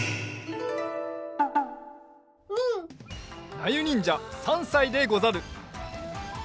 なゆにんじゃ３さいでござる。